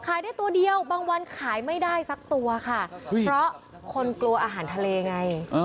ขายได้ตัวเดียวบางวันขายไม่ได้สักตัวค่ะเพราะคนกลัวอาหารทะเลไง